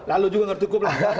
nah lo juga ngerti hukum lah